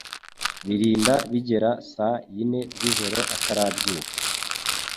birinda bigera saa yine zijoro atarabyuka